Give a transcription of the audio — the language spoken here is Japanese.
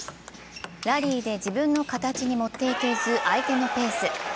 ラリーで自分の形に持っていけず、相手のペース。